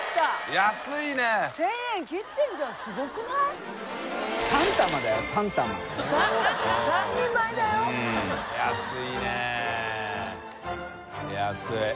安いね安い。